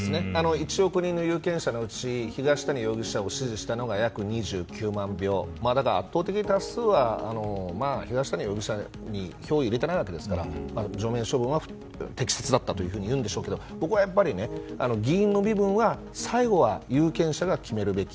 １億人の有権者のうち東谷容疑者を支持したのが約２９万票ただ、圧倒的多数は東谷容疑者に票を入れてないわけですから適切だったと言うんでしょうけどここはやっぱり議員の身分は最後は有権者が決めるべき。